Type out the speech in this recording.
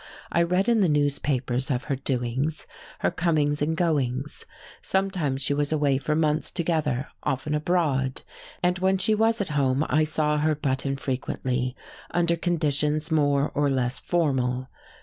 I read in the newspapers of her doings, her comings and goings; sometimes she was away for months together, often abroad; and when she was at home I saw her, but infrequently, under conditions more or less formal.